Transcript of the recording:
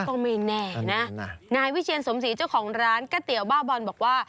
ก็ไม่แน่นะนายวิเชียนสมศรีเจ้าของร้านก๋วยเตี๋ยวบ้าบอลบอกว่า